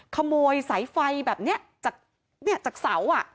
ขโมยสายไฟแบบนี้จากเสา